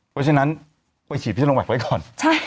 คือฉะนั้นไปฉีดไพศนมไวฯไว้ก่อน